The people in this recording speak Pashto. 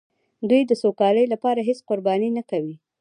دوی د سوکالۍ لپاره هېڅ قرباني نه کوي.